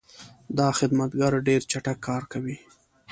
دا خدمتګر ډېر چټک کار کوي.